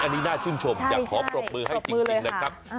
อันนี้น่าชื่นชมอยากขอปรบมือให้จริงนะครับ